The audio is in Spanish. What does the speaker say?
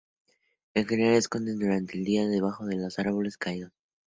En general, se esconden durante el día debajo de árboles caídos.